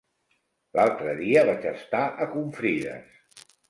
L'altre dia vaig estar a Confrides.